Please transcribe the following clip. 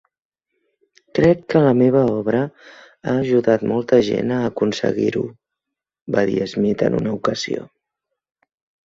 "Crec que la meva obra ha ajudat molta gent a aconseguir-ho", va dir Smith en una ocasió.